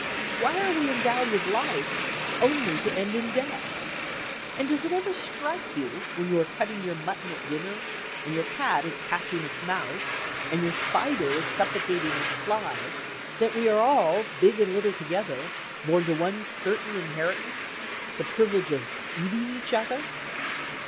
Why are we endowed with life only to end in death? And does it ever strike you, when you are cutting your mutton at dinner, and your cat is catching its mouse, and your spider is suffocating its fly, that we are all, big and little together, born to one certain inheritance the privilege of eating each other?"